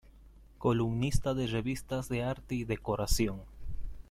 Columnista de revistas de arte y decoración.